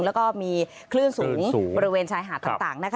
แล้วก็มีคลื่นสูงบริเวณชายหาดต่างนะคะ